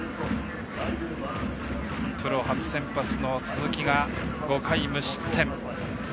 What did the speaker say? プロ初先発の鈴木が５回無失点。